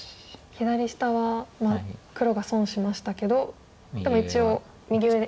左下は黒が損しましたけどでも一応右上で。